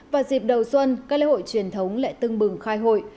và dịp đầu xuân các lễ hội truyền thống lại tưng bừng khai hội